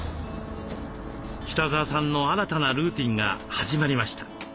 北澤さんの新たなルーティンが始まりました。